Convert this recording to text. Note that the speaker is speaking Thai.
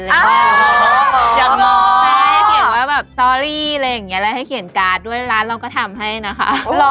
อยากง้อใช่เขียนว่าแบบซอรี่อะไรอย่างนี้แล้วให้เขียนการ์ดด้วยร้านเราก็ทำให้นะคะ